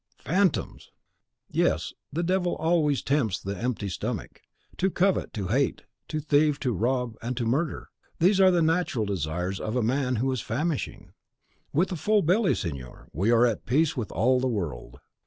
"Phantoms!" "Yes; the devil always tempts the empty stomach. To covet, to hate, to thieve, to rob, and to murder, these are the natural desires of a man who is famishing. With a full belly, signor, we are at peace with all the world.